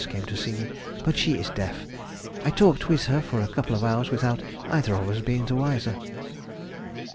came to see me, but she is deaf. I talked with her for a couple of hours without either of us being the wiser.